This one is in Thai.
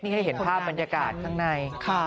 นี่ให้เห็นภาพบรรยากาศข้างใน